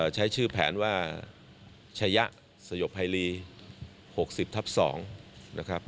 ใช้ชื่อแผนว่าชยะสยบภัยลี๖๐ทับ๒